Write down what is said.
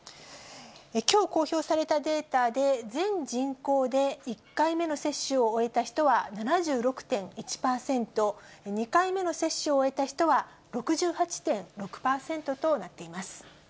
きょう公表されたデータで、全人口で１回目の接種を終えた人は７６．１％、２回目の接種を終えた人は６８．６％となっています。